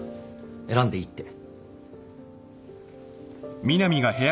選んでいいって。